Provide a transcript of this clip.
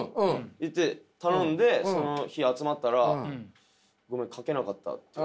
言って頼んでその日集まったら「ごめん書けなかった」って。